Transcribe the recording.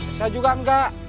bisa juga enggak